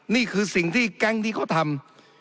นี่คือสิ่งที่แก๊งที่เขาทำ